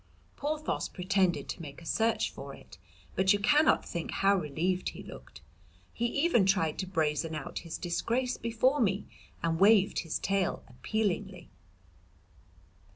Porthos pretended to make a search for it, but you cannot think how relieved he looked. He even tried to brazen out his disgrace before me and waved his tail appealingly.